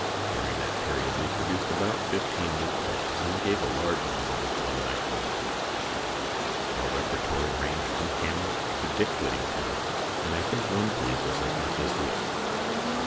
During that period we produced about fifteen new plays, and gave a large number of one night revivals. Our repertory ranged from "Hamlet" to "Dick Whittington," and I think one pleased us as much as the other.